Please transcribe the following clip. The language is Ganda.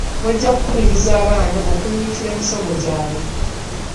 Mujja kukubiriza abaana okunyiikirira emisomo gyabwe.